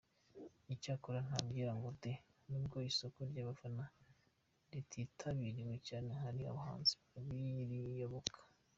Icyakora nta byera ngo deee … nubwo isoko ry’abafana rititabiriwe cyane hari abahanzi bakiriyoboka.